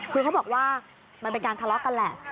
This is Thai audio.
คือเขาบอกว่ามันเป็นการทะเลาะกันแหละ